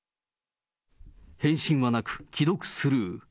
返信はなく、既読スルー。